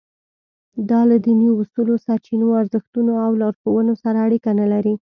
دا له دیني اصولو، سرچینو، ارزښتونو او لارښوونو سره اړیکه نه لري.